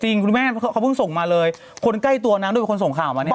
คุณแม่เขาเพิ่งส่งมาเลยคนใกล้ตัวนางด้วยเป็นคนส่งข่าวมาเนี่ย